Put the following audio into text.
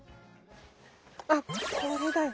あっこれだよ。